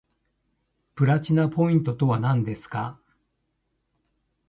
プラチナポイントとはなんですか